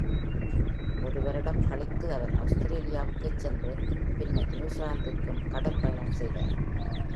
ஒரு வருடம் கழித்து அவர் ஆஸ்திரேலியாவிற்கு சென்று பின்னர் நியூசிலாந்திற்கும் கடல் பயணம் செய்தார்.